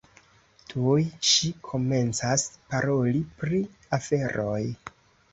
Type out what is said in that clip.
Tuj ŝi komencas paroli pri aferoj.